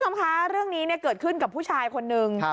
คุณผู้ชมคะเรื่องนี้เกิดขึ้นกับผู้ชายคนนึง